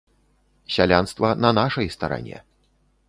Сялянства на нашай старане.